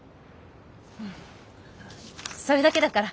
それだけだから。